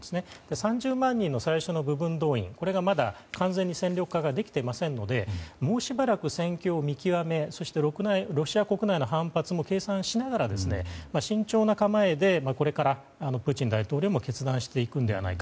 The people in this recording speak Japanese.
３０万人の最初の部分動員がまだ完全に戦力化ができていないのでもうしばらく戦況を見極めそして、ロシア国内の反発も計算しながら、慎重な構えでこれからプーチン大統領も決断していくんではないか。